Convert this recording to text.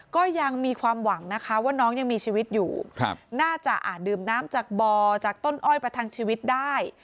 ก็ยังมีความหวังนะคะว่าน้องยังมีชีวิตอยู่น่าจะอาจดื่มน้ำจากบ่อจากต้นอ้อยประทังชีวิตได้